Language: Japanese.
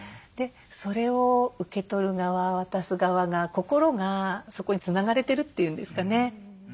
でそれを受け取る側渡す側が心がそこにつながれてるっていうんですかね。